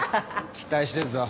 期待してるぞ。